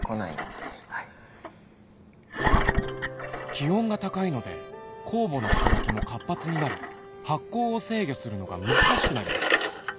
気温が高いので酵母の働きも活発になり発酵を制御するのが難しくなります